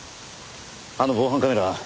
あの防犯カメラ